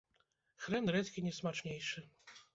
Хрэн рэдзькі не смачнейшы.